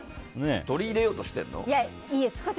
取り入れようとしてるの？